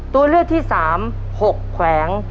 ตัวเลือกที่๓๖แขวง